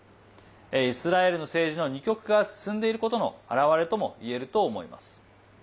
イスラエルの政治の２極化が進んでいることの表れともいえると思います。